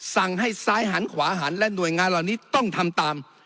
สั่งให้ซ้ายหันขวาหันและหน่วยงานเหล่านี้ต้องทำตาม